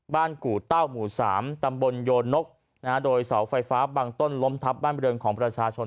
กู่เต้าหมู่สามตำบลโยนนกนะฮะโดยเสาไฟฟ้าบางต้นล้มทับบ้านบริเวณของประชาชน